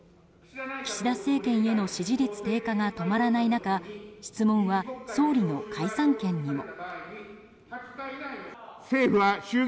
岸田政権への支持率低下が止まらない中質問は総理の解散権にも。